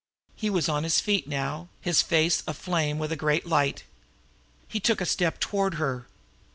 He was on his feet now, his face aflame with a great light. He took a step toward her.